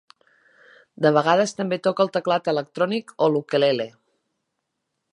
De vegades també toca el teclat electrònic o l'ukelele.